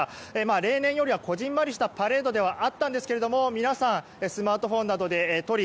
例年よりは小ぢんまりしたパレードではあったんですが皆さんスマートフォンなどで撮り